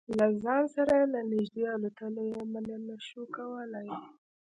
له ځان سره له نږدې الوتلو یې منع نه شو کولای.